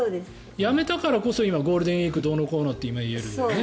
辞めたからこそ今、ゴールデンウィークどうのこうのって言えるよね。